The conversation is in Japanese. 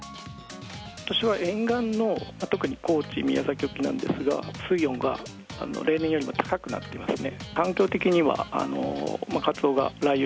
ことしは沿岸の、特に高知、宮崎沖なんですが、水温が、例年よりも高くなっていますね。